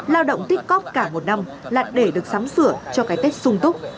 lao động tích cóp cả một năm là để được sắm sửa cho cái tết sung túc